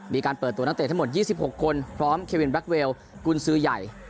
มีการเปิดตัวตั้งแต่ทั้งหมด๒๖คนพร้อมเควินบรัคเวลคุณซื้อใหญ่